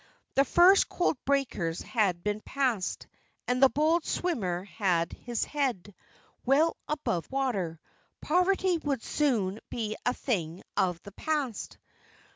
The first cold breakers had been passed, and the bold swimmer had his head well above water. Poverty would soon be a thing of the past.